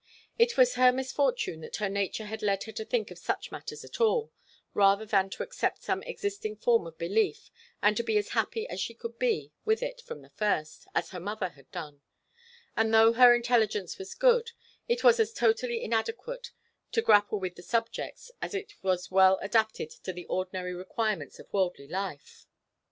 It was her misfortune that her nature had led her to think of such matters at all, rather than to accept some existing form of belief and to be as happy as she could be with it from the first, as her mother had done: and though her intelligence was good, it was as totally inadequate to grapple with such subjects as it was well adapted to the ordinary requirements of worldly life.